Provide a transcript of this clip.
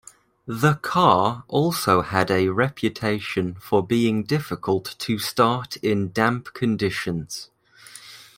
The car also had a reputation for being difficult to start in damp conditions.